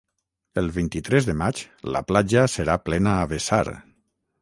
El vint-i-tres de maig la platja serà plena a vessar.